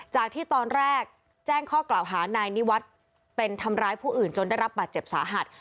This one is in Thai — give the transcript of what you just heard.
จากที่ตอนแรกแจ้งข้อกล่าวหานายนิวัฒน์เป็นทำร้ายผู้อื่นจนได้รับบาดเจ็บสาหัส